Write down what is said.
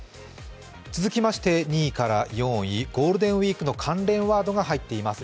続きまして、２位から４位、ゴールデンウイークの関連ワードが入っています。